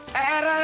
eh ra ra ra aduh